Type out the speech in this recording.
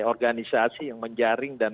organisasi yang menjaring dan